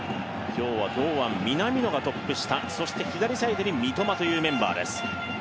今日は堂安、南野がトップ下、左サイドに三笘というメンバーです。